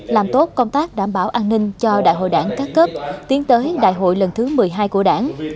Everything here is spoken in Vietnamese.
làm tốt công tác đảm bảo an ninh cho đại hội đảng các cấp tiến tới đại hội lần thứ một mươi hai của đảng